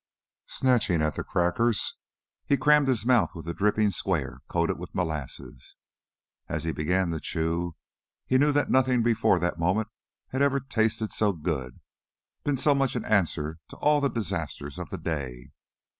Snatching at the crackers, he crammed his mouth with a dripping square coated with molasses. As he began to chew he knew that nothing before that moment had ever tasted so good, been so much an answer to all the disasters of the day.